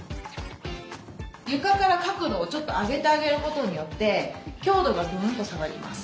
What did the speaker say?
床から角度をちょっと上げてあげることによって強度がグーンと下がります。